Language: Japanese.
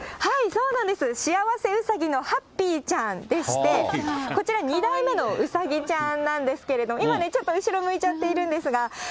幸せウサギのハッピーちゃんでして、こちら２代目のウサギちゃんなんですけれども、今ね、ちょっと後ろ向いちゃってるんですが。